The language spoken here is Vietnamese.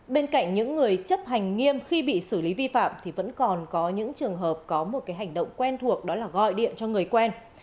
bên cạnh những người chấp hành nghiêm khi bị xử lý vi phạm thì vẫn còn có những trường hợp có một hành động quen thuộc đó là gọi điện cho người quen